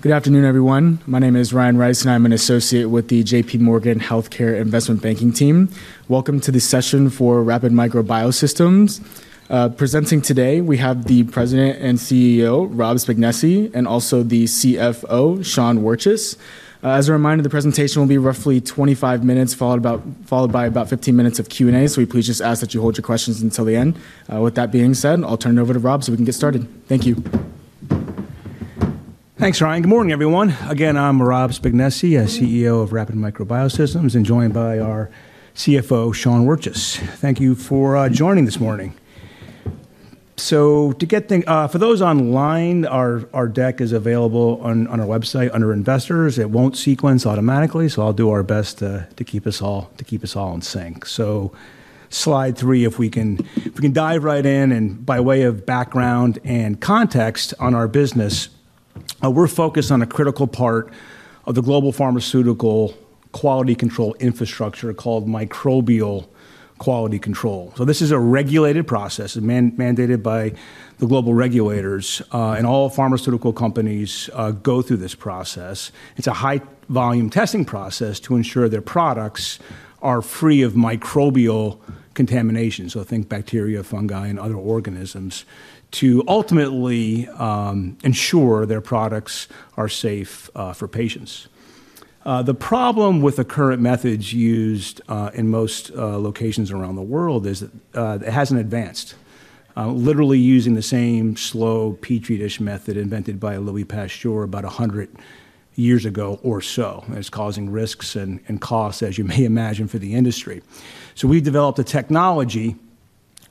Good afternoon, everyone. My name is Ryan Rice, and I'm an associate with the JP Morgan Healthcare Investment Banking team. Welcome to the session for Rapid Micro Biosystems. Presenting today, we have the President and CEO, Rob Spignesi, and also the CFO, Sean Wirtjes. As a reminder, the presentation will be roughly 25 minutes, followed by about 15 minutes of Q&A, so we please just ask that you hold your questions until the end. With that being said, I'll turn it over to Rob so we can get started. Thank you. Thanks, Ryan. Good morning, everyone. Again, I'm Rob Spignesi, CEO of Rapid Micro Biosystems, and joined by our CFO, Sean Wirtjes. Thank you for joining this morning. So to get things for those online, our deck is available on our website under Investors. It won't sequence automatically, so I'll do our best to keep us all in sync. So slide three, if we can dive right in. And by way of background and context on our business, we're focused on a critical part of the global pharmaceutical quality control infrastructure called microbial quality control. So this is a regulated process mandated by the global regulators, and all pharmaceutical companies go through this process. It's a high-volume testing process to ensure their products are free of microbial contamination, so think bacteria, fungi, and other organisms, to ultimately ensure their products are safe for patients. The problem with the current methods used in most locations around the world is that it hasn't advanced, literally using the same slow Petri dish method invented by Louis Pasteur about 100 years ago or so. And it's causing risks and costs, as you may imagine, for the industry. So we've developed a technology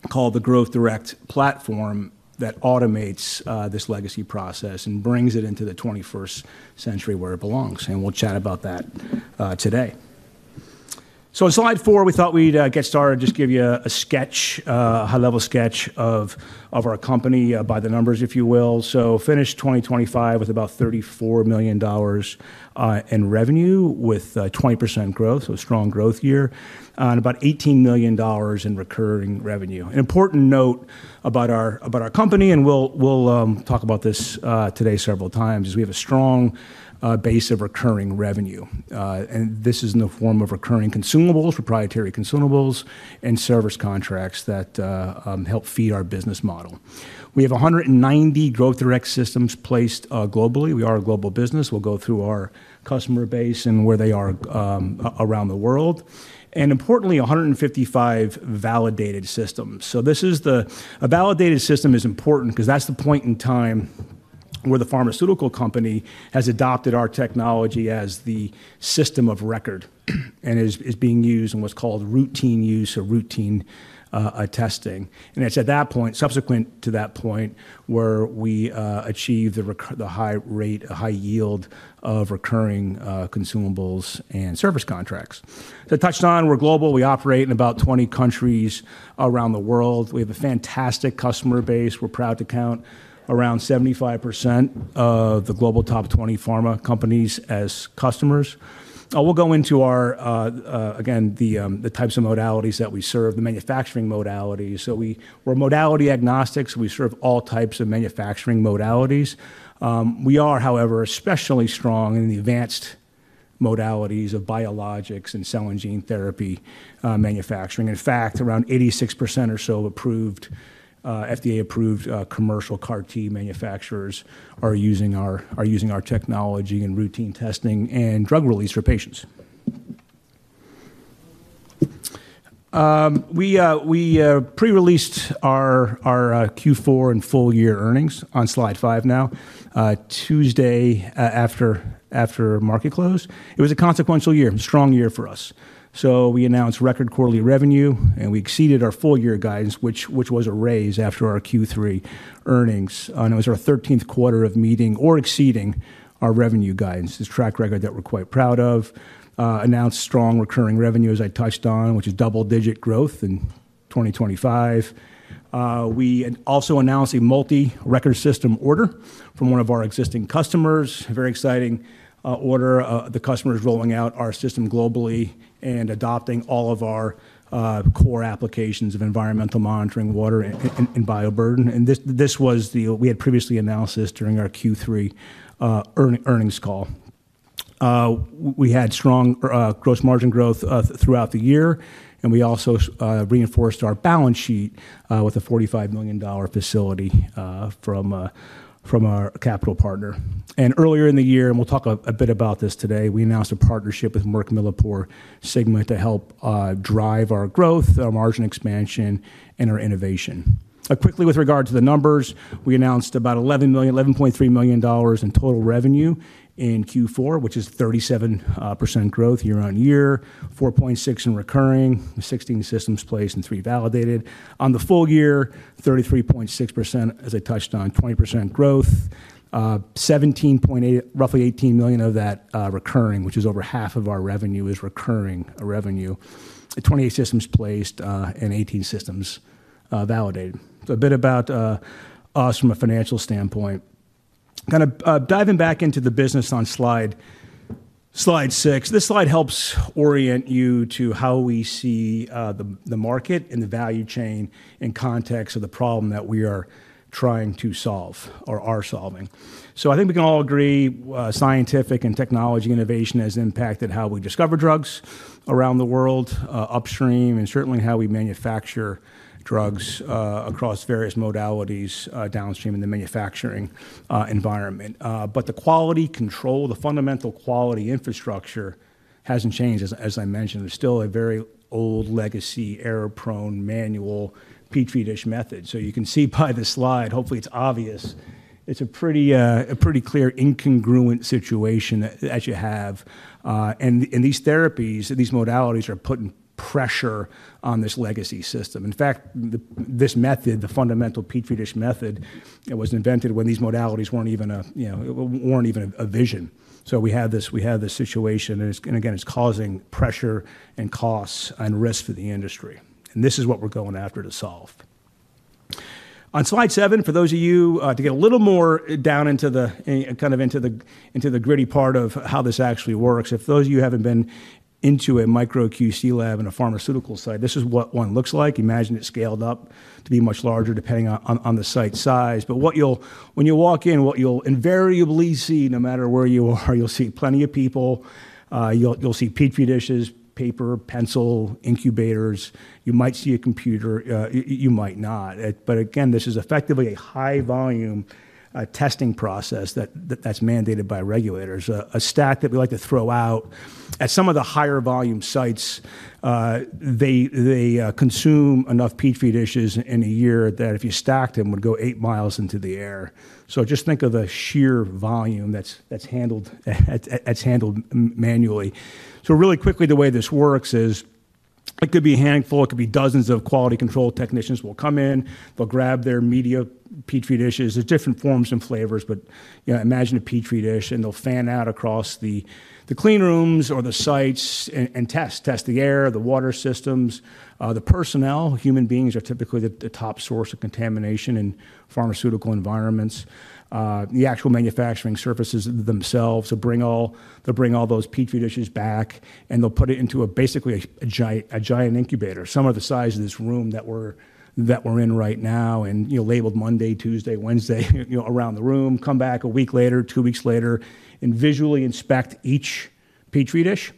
called the Growth Direct Platform that automates this legacy process and brings it into the 21st century where it belongs. And we'll chat about that today. So slide four, we thought we'd get started and just give you a sketch, a high-level sketch of our company by the numbers, if you will. So finished 2025 with about $34 million in revenue, with 20% growth, so a strong growth year, and about $18 million in recurring revenue. An important note about our company, and we'll talk about this today several times, is we have a strong base of recurring revenue, and this is in the form of recurring consumables, proprietary consumables, and service contracts that help feed our business model. We have 190 Growth Direct systems placed globally. We are a global business. We'll go through our customer base and where they are around the world, and importantly, 155 validated systems, so this is the validated system is important because that's the point in time where the pharmaceutical company has adopted our technology as the system of record and is being used in what's called routine use or routine testing, and it's at that point, subsequent to that point, where we achieve the high rate, high yield of recurring consumables and service contracts. As I touched on, we're global. We operate in about 20 countries around the world. We have a fantastic customer base. We're proud to count around 75% of the global top 20 pharma companies as customers. We'll go into our, again, the types of modalities that we serve, the manufacturing modalities. So we're modality agnostic. We serve all types of manufacturing modalities. We are, however, especially strong in the advanced modalities of biologics and cell and gene therapy manufacturing. In fact, around 86% or so of approved FDA-approved commercial CAR T manufacturers are using our technology in routine testing and drug release for patients. We pre-released our Q4 and full year earnings on slide five now, Tuesday after market close. It was a consequential year, a strong year for us. So we announced record quarterly revenue, and we exceeded our full year guidance, which was a raise after our Q3 earnings. It was our 13th quarter of meeting or exceeding our revenue guidance, this track record that we're quite proud of. We announced strong recurring revenue, as I touched on, which is double-digit growth in 2025. We also announced a multi-record system order from one of our existing customers, a very exciting order. The customer is rolling out our system globally and adopting all of our core applications of environmental monitoring, water, and bioburden. And this was the one we had previously announced during our Q3 earnings call. We had strong gross margin growth throughout the year, and we also reinforced our balance sheet with a $45 million facility from our capital partner. And earlier in the year, and we'll talk a bit about this today, we announced a partnership with MilliporeSigma to help drive our growth, our margin expansion, and our innovation. Quickly, with regard to the numbers, we announced about $11.3 million in total revenue in Q4, which is 37% growth year on year, $4.6 million in recurring, 16 systems placed, and three validated. On the full year, 33.6%, as I touched on, 20% growth, $17.8 million, roughly $18 million of that recurring, which is over half of our revenue, is recurring revenue, 28 systems placed, and 18 systems validated. So a bit about us from a financial standpoint. Kind of diving back into the business on slide six, this slide helps orient you to how we see the market and the value chain in context of the problem that we are trying to solve or are solving. So I think we can all agree scientific and technology innovation has impacted how we discover drugs around the world, upstream, and certainly how we manufacture drugs across various modalities downstream in the manufacturing environment. But the quality control, the fundamental quality infrastructure hasn't changed, as I mentioned. There's still a very old legacy, error-prone, manual Petri dish method. So you can see by the slide, hopefully it's obvious, it's a pretty clear incongruent situation that you have. And these therapies, these modalities are putting pressure on this legacy system. In fact, this method, the fundamental Petri dish method, was invented when these modalities weren't even a vision. So we have this situation, and again, it's causing pressure and costs and risk for the industry. And this is what we're going after to solve. On slide seven, for those of you to get a little more down into the gritty part of how this actually works, if those of you haven't been into a micro QC lab in a pharmaceutical site, this is what one looks like. Imagine it scaled up to be much larger depending on the site size. But when you'll walk in, what you'll invariably see, no matter where you are, you'll see plenty of people. You'll see Petri dishes, paper, pencil, incubators. You might see a computer. You might not. But again, this is effectively a high-volume testing process that's mandated by regulators, a stack that we like to throw out. At some of the higher volume sites, they consume enough Petri dishes in a year that if you stacked them, would go eight miles into the air. So just think of the sheer volume that's handled manually. So really quickly, the way this works is it could be a handful. It could be dozens of quality control technicians will come in. They'll grab their media Petri dishes. There's different forms and flavors, but imagine a Petri dish, and they'll fan out across the clean rooms or the sites and test the air, the water systems, the personnel. Human beings are typically the top source of contamination in pharmaceutical environments. The actual manufacturing surfaces themselves, they'll bring all those Petri dishes back, and they'll put it into basically a giant incubator, some of the size of this room that we're in right now, and labeled Monday, Tuesday, Wednesday around the room, come back a week later, two weeks later, and visually inspect each Petri dish,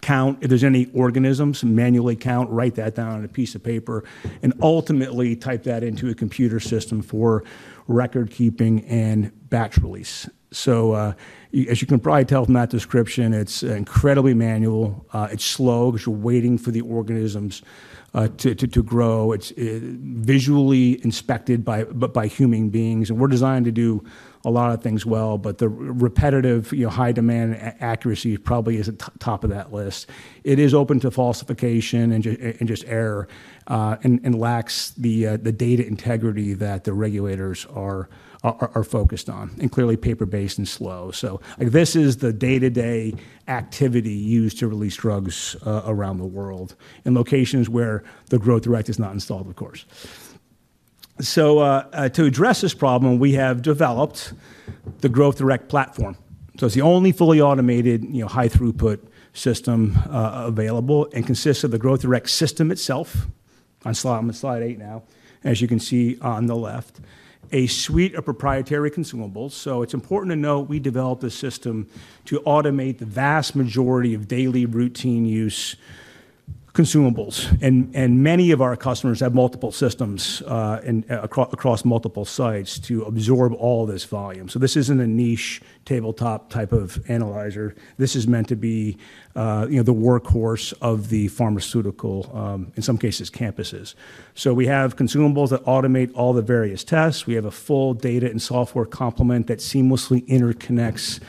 count if there's any organisms, manually count, write that down on a piece of paper, and ultimately type that into a computer system for record keeping and batch release. So as you can probably tell from that description, it's incredibly manual. It's slow because you're waiting for the organisms to grow. It's visually inspected by human beings. And we're designed to do a lot of things well, but the repetitive, high-demand accuracy probably isn't top of that list. It is open to falsification and just error and lacks the data integrity that the regulators are focused on. And clearly paper-based and slow. So this is the day-to-day activity used to release drugs around the world in locations where the Growth Direct is not installed, of course. So to address this problem, we have developed the Growth Direct Platform. So it's the only fully automated high-throughput system available and consists of the Growth Direct system itself, on slide eight now, as you can see on the left, a suite of proprietary consumables. So it's important to note we developed a system to automate the vast majority of daily routine use consumables. Many of our customers have multiple systems across multiple sites to absorb all this volume. So this isn't a niche tabletop type of analyzer. This is meant to be the workhorse of the pharmaceutical, in some cases, campuses. So we have consumables that automate all the various tests. We have a full data and software complement that seamlessly interconnects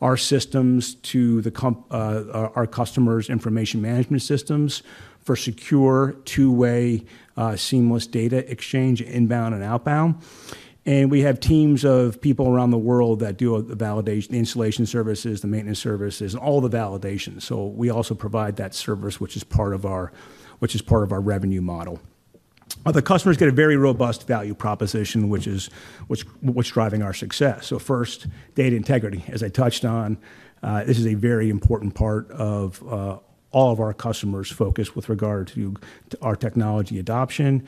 our systems to our customers' information management systems for secure, two-way, seamless data exchange, inbound and outbound. And we have teams of people around the world that do the validation, the installation services, the maintenance services, and all the validation. So we also provide that service, which is part of our revenue model. The customers get a very robust value proposition, which is what's driving our success. So first, data integrity, as I touched on, this is a very important part of all of our customers' focus with regard to our technology adoption.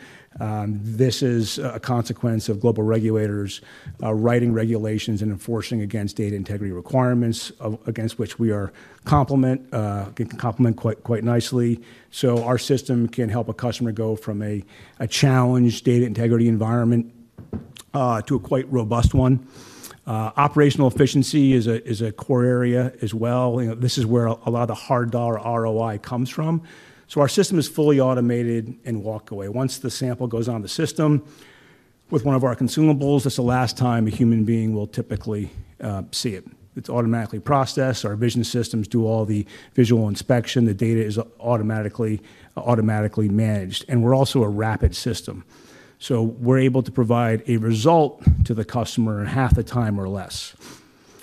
This is a consequence of global regulators writing regulations and enforcing against data integrity requirements against which we are compliant quite nicely. So our system can help a customer go from a challenged data integrity environment to a quite robust one. Operational efficiency is a core area as well. This is where a lot of the hard dollar ROI comes from. So our system is fully automated and walk away. Once the sample goes on the system with one of our consumables, that's the last time a human being will typically see it. It's automatically processed. Our vision systems do all the visual inspection. The data is automatically managed. And we're also a rapid system. So we're able to provide a result to the customer in half the time or less.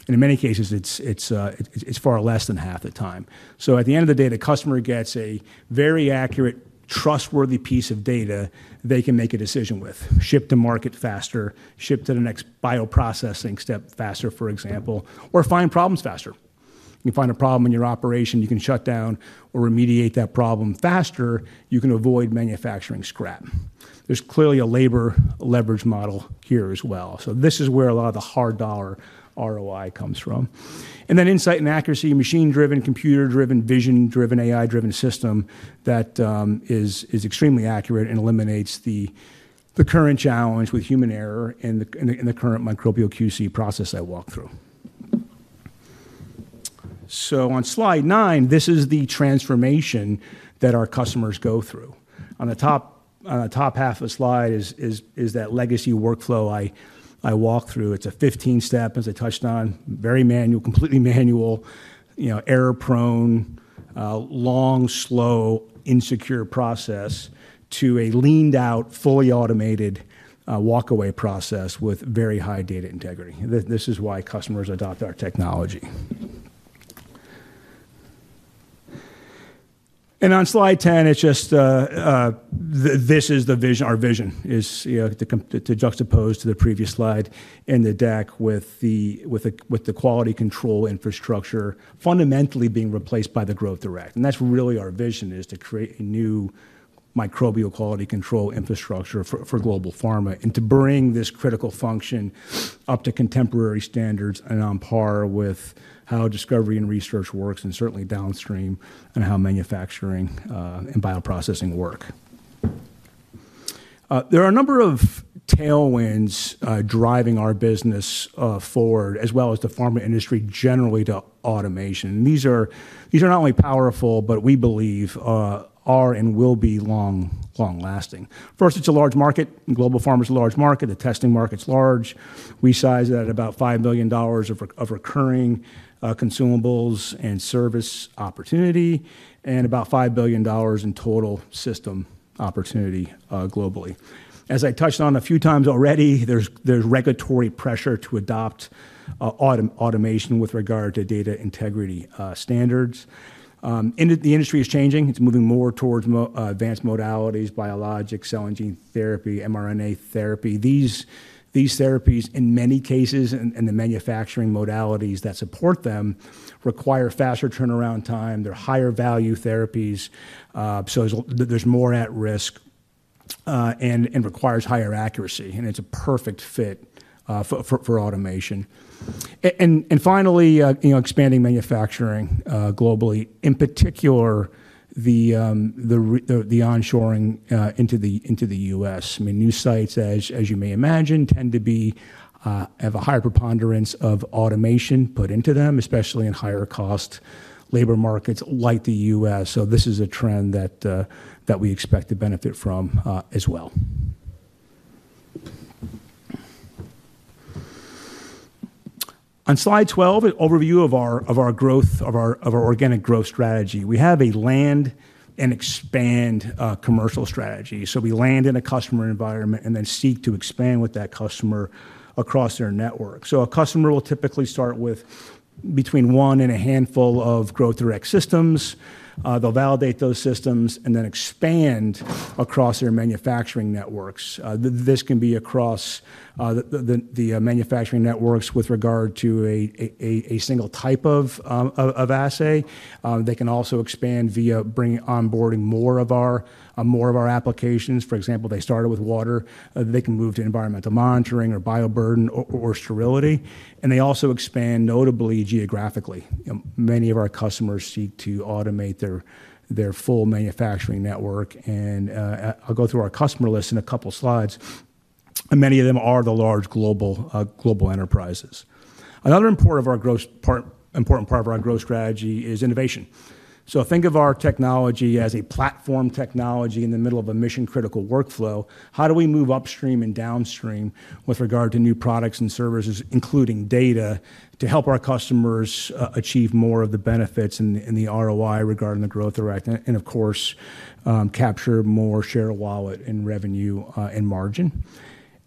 And in many cases, it's far less than half the time. So at the end of the day, the customer gets a very accurate, trustworthy piece of data they can make a decision with, ship to market faster, ship to the next bioprocessing step faster, for example, or find problems faster. You find a problem in your operation, you can shut down or remediate that problem faster. You can avoid manufacturing scrap. There's clearly a labor leverage model here as well. So this is where a lot of the hard dollar ROI comes from. And then insight and accuracy, machine-driven, computer-driven, vision-driven, AI-driven system that is extremely accurate and eliminates the current challenge with human error and the current microbial QC process I walked through. So on slide nine, this is the transformation that our customers go through. On the top half of the slide is that legacy workflow I walked through. It's a 15-step, as I touched on, very manual, completely manual, error-prone, long, slow, insecure process to a leaned-out, fully automated walk-away process with very high data integrity. This is why customers adopt our technology. And on slide 10, it's just this is our vision to juxtapose to the previous slide in the deck with the quality control infrastructure fundamentally being replaced by the Growth Direct. And that's really our vision is to create a new microbial quality control infrastructure for global pharma and to bring this critical function up to contemporary standards and on par with how discovery and research works and certainly downstream and how manufacturing and bioprocessing work. There are a number of tailwinds driving our business forward, as well as the pharma industry generally to automation. And these are not only powerful, but we believe are and will be long-lasting. First, it's a large market. Global pharma is a large market. The testing market's large. We size it at about $5 billion of recurring consumables and service opportunity and about $5 billion in total system opportunity globally. As I touched on a few times already, there's regulatory pressure to adopt automation with regard to data integrity standards. The industry is changing. It's moving more towards advanced modalities, biologics, cell and gene therapy, mRNA therapy. These therapies, in many cases, and the manufacturing modalities that support them require faster turnaround time. They're higher value therapies. So there's more at risk and requires higher accuracy. And it's a perfect fit for automation. And finally, expanding manufacturing globally, in particular, the onshoring into the U.S. I mean, new sites, as you may imagine, tend to have a higher preponderance of automation put into them, especially in higher-cost labor markets like the U.S. So this is a trend that we expect to benefit from as well. On slide 12, an overview of our growth, of our organic growth strategy. We have a land and expand commercial strategy. So we land in a customer environment and then seek to expand with that customer across their network. So a customer will typically start with between one and a handful of Growth Direct systems. They will validate those systems and then expand across their manufacturing networks. This can be across the manufacturing networks with regard to a single type of assay. They can also expand via onboarding more of our applications. For example, they started with water. They can move to environmental monitoring or bioburden or sterility. And they also expand notably geographically. Many of our customers seek to automate their full manufacturing network. And I'll go through our customer list in a couple of slides. Many of them are the large global enterprises. Another important part of our growth strategy is innovation. So think of our technology as a platform technology in the middle of a mission-critical workflow. How do we move upstream and downstream with regard to new products and services, including data, to help our customers achieve more of the benefits and the ROI regarding the Growth Direct and, of course, capture more share of wallet and revenue and margin?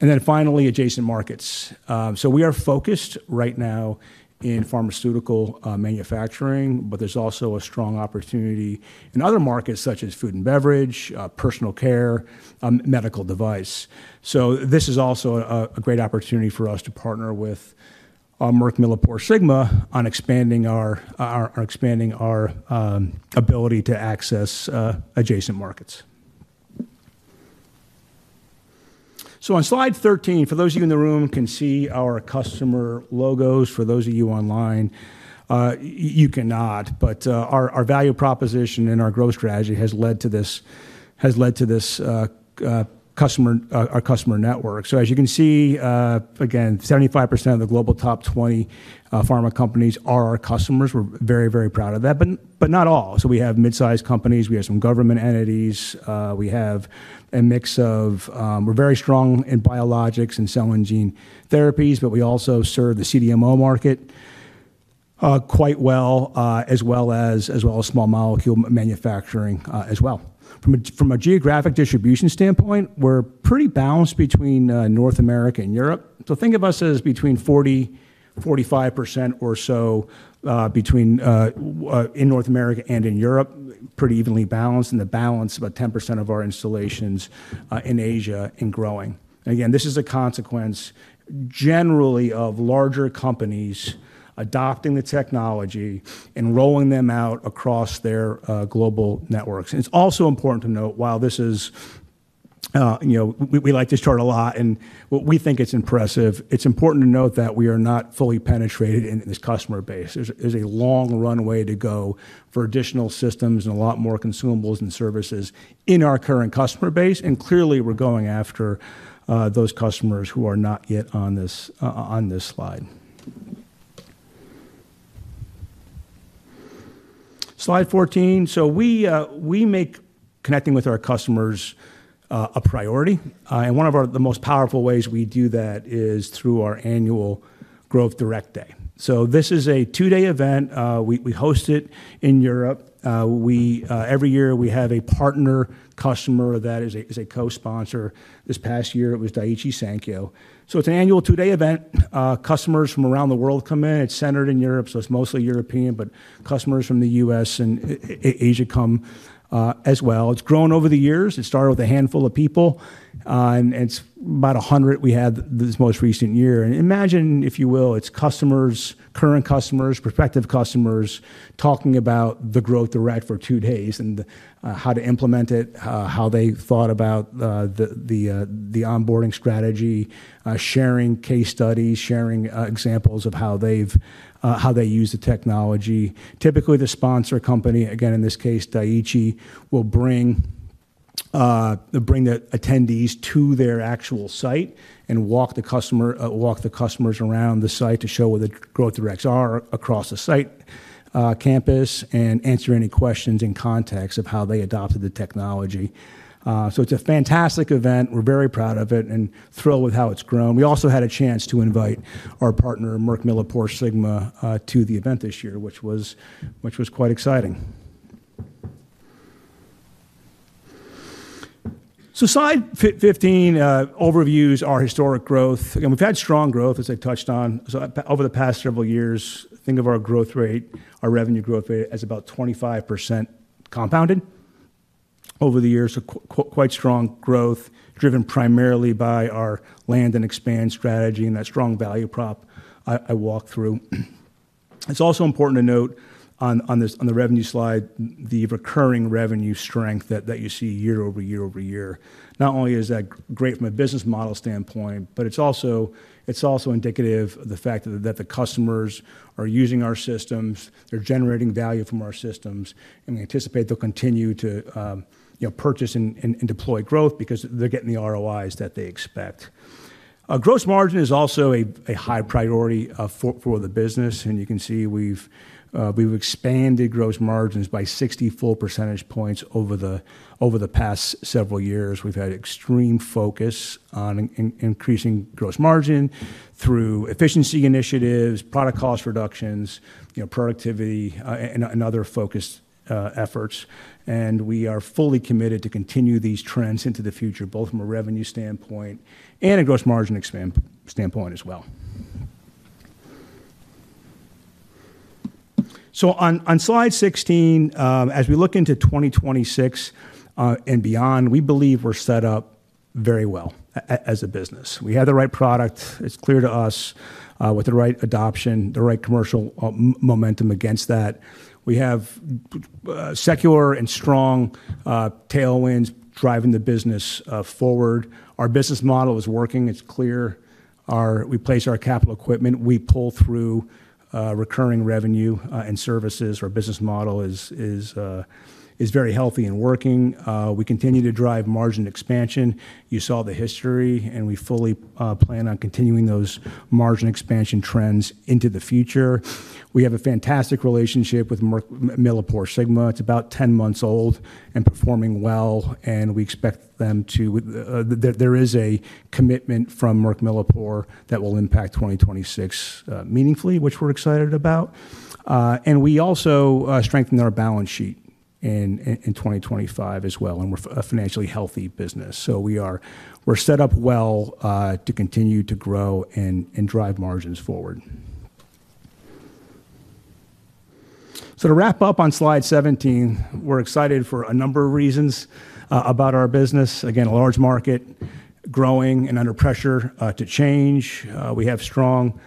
And then finally, adjacent markets. So we are focused right now in pharmaceutical manufacturing, but there's also a strong opportunity in other markets such as food and beverage, personal care, medical device. So this is also a great opportunity for us to partner with MilliporeSigma on expanding our ability to access adjacent markets. So on slide 13, for those of you in the room can see our customer logos. For those of you online, you cannot. But our value proposition and our growth strategy has led to this customer network. So as you can see, again, 75% of the global top 20 pharma companies are our customers. We're very, very proud of that, but not all. So we have mid-sized companies. We have some government entities. We have a mix of we're very strong in biologics and cell and gene therapies, but we also serve the CDMO market quite well, as well as small molecule manufacturing as well. From a geographic distribution standpoint, we're pretty balanced between North America and Europe. So think of us as between 40%-45% or so in North America and in Europe, pretty evenly balanced, and the balance of about 10% of our installations in Asia and growing. Again, this is a consequence generally of larger companies adopting the technology and rolling them out across their global networks. It's also important to note, while we like this chart a lot, and we think it's impressive, it's important to note that we are not fully penetrated in this customer base. There's a long runway to go for additional systems and a lot more consumables and services in our current customer base, and clearly, we're going after those customers who are not yet on this slide. Slide 14, so we make connecting with our customers a priority, and one of the most powerful ways we do that is through our annual Growth Direct Day. This is a two-day event. We host it in Europe. Every year, we have a partner customer that is a co-sponsor. This past year, it was Daiichi Sankyo. It's an annual two-day event. Customers from around the world come in. It's centered in Europe, so it's mostly European, but customers from the U.S. and Asia come as well. It's grown over the years. It started with a handful of people. And it's about 100 we had this most recent year. And imagine, if you will, it's customers, current customers, prospective customers talking about the Growth Direct for two days and how to implement it, how they thought about the onboarding strategy, sharing case studies, sharing examples of how they use the technology. Typically, the sponsor company, again, in this case, Daiichi, will bring the attendees to their actual site and walk the customers around the site to show where the Growth Directs are across the site campus and answer any questions in context of how they adopted the technology, so it's a fantastic event. We're very proud of it and thrilled with how it's grown. We also had a chance to invite our partner, MilliporeSigma, to the event this year, which was quite exciting, so slide 15 overviews our historic growth, and we've had strong growth, as I touched on, so over the past several years, think of our growth rate, our revenue growth rate as about 25% compounded over the years. So quite strong growth driven primarily by our land and expand strategy and that strong value prop I walked through. It's also important to note on the revenue slide, the recurring revenue strength that you see year over year over year. Not only is that great from a business model standpoint, but it's also indicative of the fact that the customers are using our systems. They're generating value from our systems, and we anticipate they'll continue to purchase and deploy growth because they're getting the ROIs that they expect. Gross margin is also a high priority for the business, and you can see we've expanded gross margins by 64 percentage points over the past several years. We've had extreme focus on increasing gross margin through efficiency initiatives, product cost reductions, productivity, and other focused efforts, and we are fully committed to continue these trends into the future, both from a revenue standpoint and a gross margin standpoint as well. So on slide 16, as we look into 2026 and beyond, we believe we're set up very well as a business. We have the right product. It's clear to us with the right adoption, the right commercial momentum against that. We have secular and strong tailwinds driving the business forward. Our business model is working. It's clear. We place our capital equipment. We pull through recurring revenue and services. Our business model is very healthy and working. We continue to drive margin expansion. You saw the history. And we fully plan on continuing those margin expansion trends into the future. We have a fantastic relationship with MilliporeSigma. It's about 10 months old and performing well. And we expect that there is a commitment from MilliporeSigma that will impact 2026 meaningfully, which we're excited about. And we also strengthened our balance sheet in 2025 as well. We're a financially healthy business. We're set up well to continue to grow and drive margins forward. To wrap up on slide 17, we're excited for a number of reasons about our business. Again, a large market, growing and under pressure to change. We have strong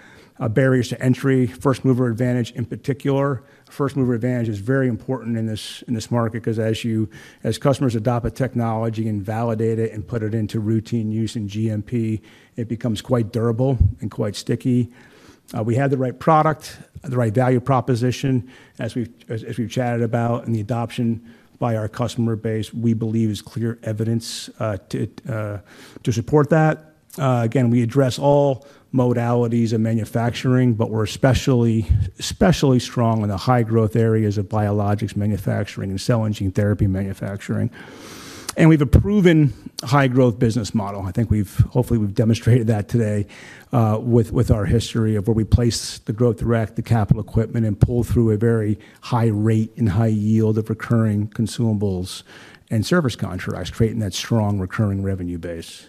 barriers to entry, first-mover advantage in particular. First-mover advantage is very important in this market because as customers adopt a technology and validate it and put it into routine use in GMP, it becomes quite durable and quite sticky. We have the right product, the right value proposition, as we've chatted about, and the adoption by our customer base, we believe, is clear evidence to support that. Again, we address all modalities of manufacturing, but we're especially strong in the high-growth areas of biologics manufacturing and cell and gene therapy manufacturing. We've a proven high-growth business model. I think hopefully we've demonstrated that today with our history of where we place the Growth Direct, the capital equipment, and pull through a very high rate and high yield of recurring consumables and service contracts, creating that strong recurring revenue base.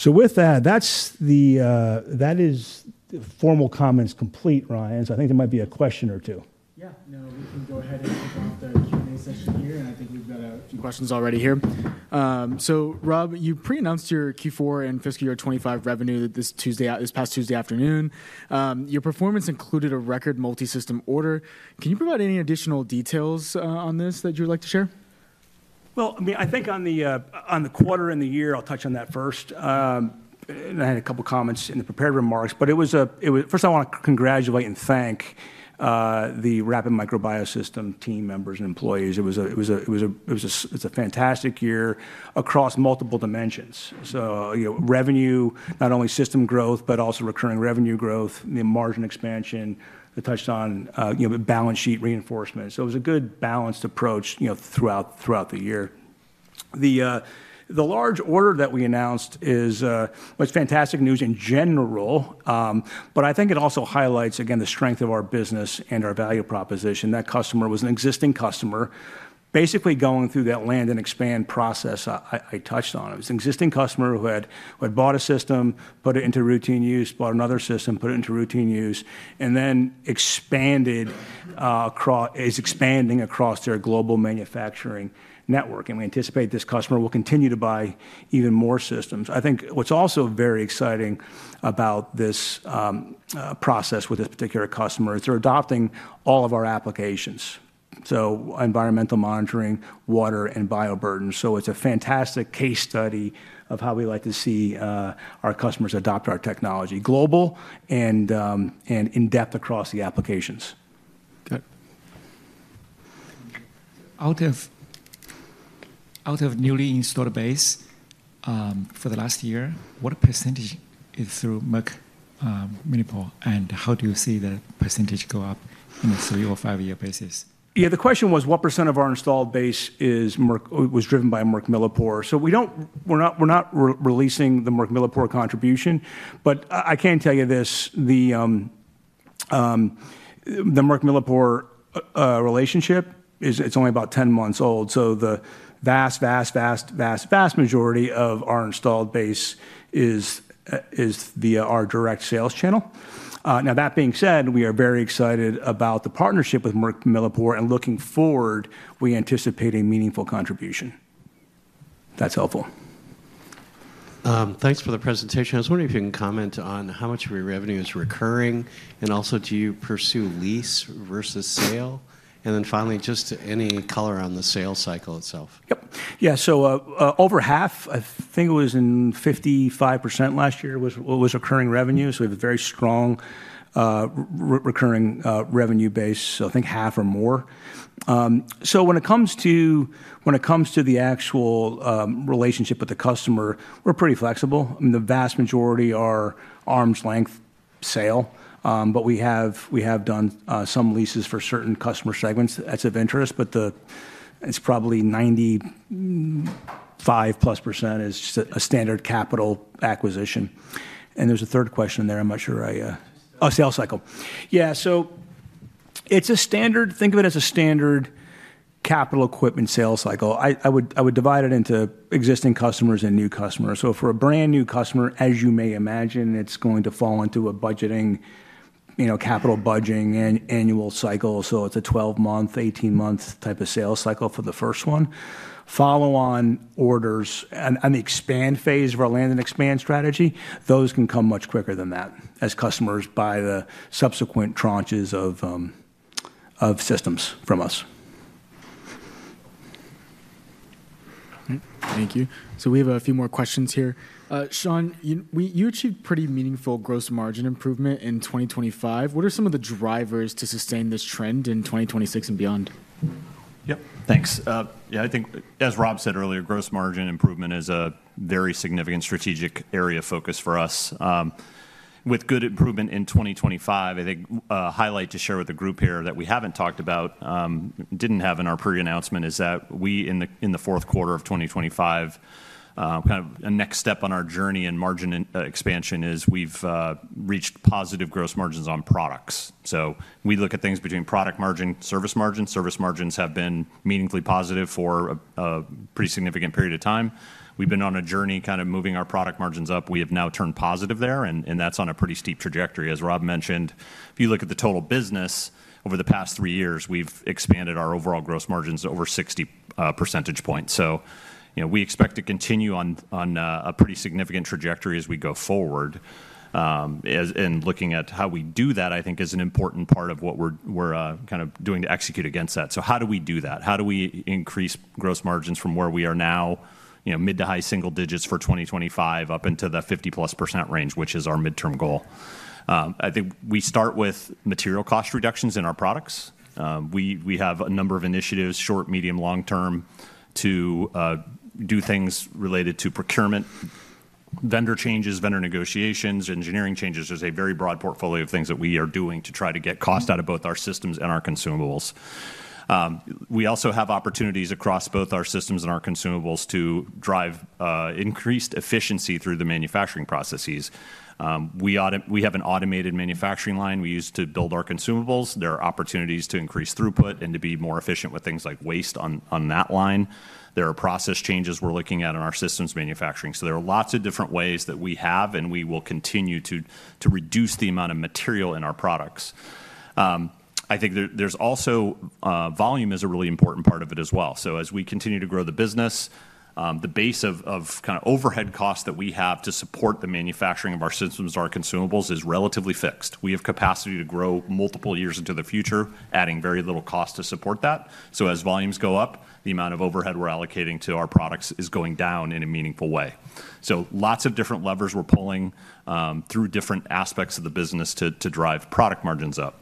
So with that, that is formal comments complete, Ryan, so I think there might be a question or two. Yeah. No, we can go ahead and wrap up the Q&A session here. And I think we've got a few questions already here. So Rob, you pre-announced your Q4 and fiscal year 2025 revenue this past Tuesday afternoon. Your performance included a record multi-system order. Can you provide any additional details on this that you'd like to share? I mean, I think on the quarter and the year, I'll touch on that first. I had a couple of comments in the prepared remarks. First, I want to congratulate and thank the Rapid Micro Biosystems team members and employees. It was a fantastic year across multiple dimensions. Revenue, not only system growth, but also recurring revenue growth, the margin expansion. I touched on balance sheet reinforcement. It was a good balanced approach throughout the year. The large order that we announced is fantastic news in general, but I think it also highlights, again, the strength of our business and our value proposition. That customer was an existing customer, basically going through that land and expand process I touched on. It was an existing customer who had bought a system, put it into routine use, bought another system, put it into routine use, and then is expanding across their global manufacturing network, and we anticipate this customer will continue to buy even more systems. I think what's also very exciting about this process with this particular customer is they're adopting all of our applications, so environmental monitoring, water, and bioburden, so it's a fantastic case study of how we like to see our customers adopt our technology global and in-depth across the applications. Okay. Out of newly installed base for the last year, what percentage is through MilliporeSigma? And how do you see the percentage go up on a three or five-year basis? Yeah, the question was what % of our installed base was driven by MilliporeSigma? So we're not releasing the MilliporeSigma contribution. But I can tell you this. The MilliporeSigma relationship, it's only about 10 months old. So the vast, vast, vast, vast, vast majority of our installed base is via our direct sales channel. Now, that being said, we are very excited about the partnership with MilliporeSigma and looking forward. We anticipate a meaningful contribution. That's helpful. Thanks for the presentation. I was wondering if you can comment on how much of your revenue is recurring and also do you pursue lease versus sale? And then finally, just any color on the sales cycle itself? Yep. Yeah. So over half, I think it was 55% last year was recurring revenue. So we have a very strong recurring revenue base. So I think half or more. So when it comes to the actual relationship with the customer, we're pretty flexible. I mean, the vast majority are arm's length sale. But we have done some leases for certain customer segments. That's of interest. But it's probably 95+% is just a standard capital acquisition. And there's a third question there. I'm not sure. Oh, sales cycle. Yeah. So think of it as a standard capital equipment sales cycle. I would divide it into existing customers and new customers. So for a brand new customer, as you may imagine, it's going to fall into a capital budgeting and annual cycle. So it's a 12-month, 18-month type of sales cycle for the first one. Follow-on orders and the expand phase of our land and expand strategy, those can come much quicker than that as customers buy the subsequent tranches of systems from us. Thank you. So we have a few more questions here. Sean, you achieved pretty meaningful gross margin improvement in 2025. What are some of the drivers to sustain this trend in 2026 and beyond? Yep. Thanks. Yeah, I think as Rob said earlier, gross margin improvement is a very significant strategic area of focus for us. With good improvement in 2025, I think a highlight to share with the group here that we haven't talked about, didn't have in our pre-announcement, is that we in the fourth quarter of 2025, kind of a next step on our journey in margin expansion is we've reached positive gross margins on products. So we look at things between product margin, service margin. Service margins have been meaningfully positive for a pretty significant period of time. We've been on a journey kind of moving our product margins up. We have now turned positive there, and that's on a pretty steep trajectory, as Rob mentioned. If you look at the total business over the past three years, we've expanded our overall gross margins over 60 percentage points. So we expect to continue on a pretty significant trajectory as we go forward. And looking at how we do that, I think, is an important part of what we're kind of doing to execute against that. So how do we do that? How do we increase gross margins from where we are now, mid- to high-single digits for 2025, up into the 50-plus% range, which is our midterm goal? I think we start with material cost reductions in our products. We have a number of initiatives, short-, medium-, long-term, to do things related to procurement, vendor changes, vendor negotiations, engineering changes. There's a very broad portfolio of things that we are doing to try to get cost out of both our systems and our consumables. We also have opportunities across both our systems and our consumables to drive increased efficiency through the manufacturing processes. We have an automated manufacturing line we use to build our consumables. There are opportunities to increase throughput and to be more efficient with things like waste on that line. There are process changes we're looking at in our systems manufacturing. So there are lots of different ways that we have and we will continue to reduce the amount of material in our products. I think volume is a really important part of it as well. So as we continue to grow the business, the base of kind of overhead costs that we have to support the manufacturing of our systems, our consumables is relatively fixed. We have capacity to grow multiple years into the future, adding very little cost to support that. So as volumes go up, the amount of overhead we're allocating to our products is going down in a meaningful way. So lots of different levers we're pulling through different aspects of the business to drive product margins up.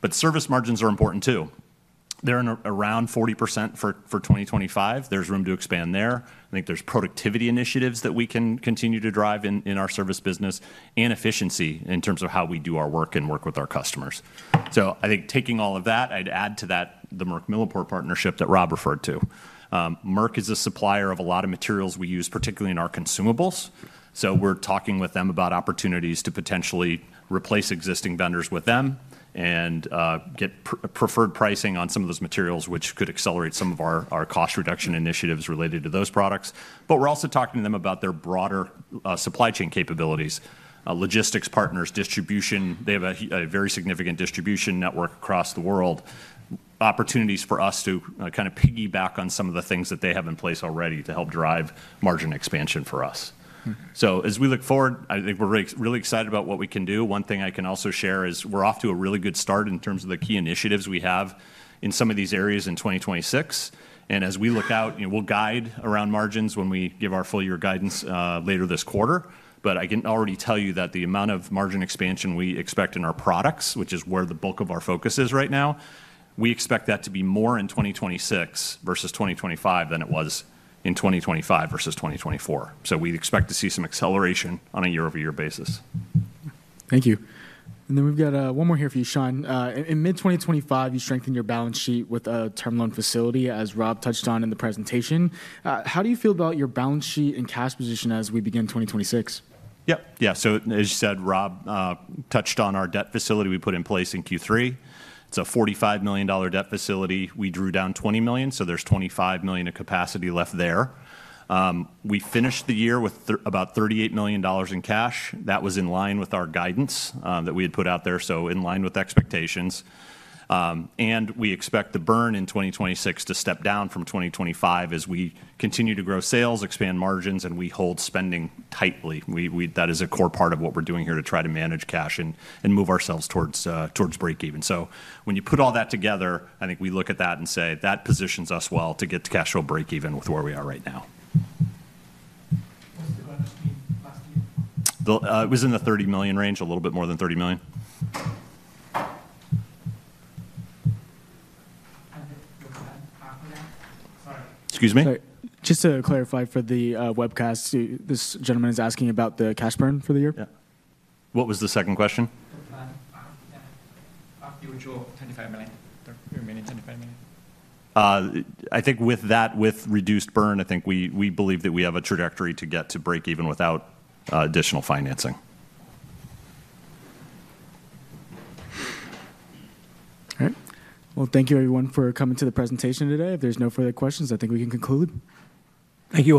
But service margins are important too. They're around 40% for 2025. There's room to expand there. I think there's productivity initiatives that we can continue to drive in our service business and efficiency in terms of how we do our work and work with our customers. So I think taking all of that, I'd add to that the Merck Millipore partnership that Rob referred to. Merck is a supplier of a lot of materials we use, particularly in our consumables. So we're talking with them about opportunities to potentially replace existing vendors with them and get preferred pricing on some of those materials, which could accelerate some of our cost reduction initiatives related to those products. But we're also talking to them about their broader supply chain capabilities, logistics partners, distribution. They have a very significant distribution network across the world, opportunities for us to kind of piggyback on some of the things that they have in place already to help drive margin expansion for us. So as we look forward, I think we're really excited about what we can do. One thing I can also share is we're off to a really good start in terms of the key initiatives we have in some of these areas in 2026. And as we look out, we'll guide around margins when we give our full-year guidance later this quarter. But I can already tell you that the amount of margin expansion we expect in our products, which is where the bulk of our focus is right now, we expect that to be more in 2026 versus 2025 than it was in 2025 versus 2024. We expect to see some acceleration on a year-over-year basis. Thank you, and then we've got one more here for you, Sean. In mid-2025, you strengthened your balance sheet with a term loan facility, as Rob touched on in the presentation. How do you feel about your balance sheet and cash position as we begin 2026? Yep. Yeah, so as you said, Rob touched on our debt facility we put in place in Q3. It's a $45 million debt facility. We drew down $20 million, so there's $25 million of capacity left there. We finished the year with about $38 million in cash. That was in line with our guidance that we had put out there, so in line with expectations, and we expect the burn in 2026 to step down from 2025 as we continue to grow sales, expand margins, and we hold spending tightly. That is a core part of what we're doing here to try to manage cash and move ourselves towards break-even, so when you put all that together, I think we look at that and say that positions us well to get to cash flow break-even with where we are right now. What's the balance sheet last year? It was in the $30 million range, a little bit more than $30 million. Excuse me? Sorry. Just to clarify for the webcast, this gentleman is asking about the cash burn for the year? Yeah. What was the second question? What's the balance? After you withdraw $25 million, remaining $25 million. I think with that, with reduced burn, I think we believe that we have a trajectory to get to break-even without additional financing. All right. Well, thank you, everyone, for coming to the presentation today. If there's no further questions, I think we can conclude. Thank you.